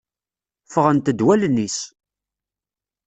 Ffɣent-d wallen-is!